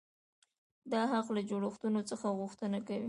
دا حق له جوړښتونو څخه غوښتنه کوي.